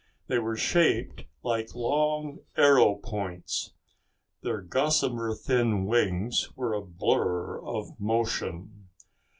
They were shaped like long arrow points. Their gossamer thin wings were a blur of motion.